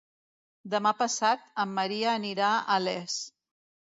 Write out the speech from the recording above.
Demà passat en Maria anirà a Les.